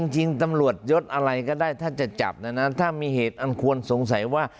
จริงตำรวจยดอะไรก็ได้ถ้าจะจับนะนะถ้ามีเหตุอันควรสงสัยว่า